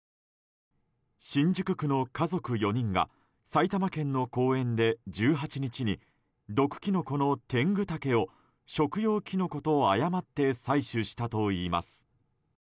新宿区の家族４人が埼玉県の公園で、１８日に毒キノコのテングタケを食用キノコと誤って採取したといいます。